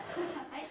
はい。